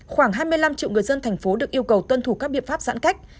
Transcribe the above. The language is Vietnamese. khoảng hai mươi năm triệu người dân thành phố được yêu cầu tuân thủ các biện pháp giãn cách